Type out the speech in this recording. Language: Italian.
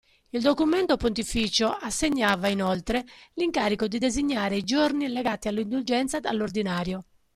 Il documento pontificio assegnava, inoltre, l'incarico di designare i giorni legati all'indulgenza all'Ordinario.